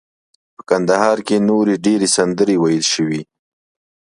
په کندهار کې نورې ډیرې سندرې ویل شوي.